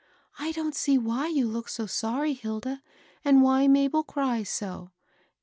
I don't see why you look so sorry, Hilda, and why Mabel cries so.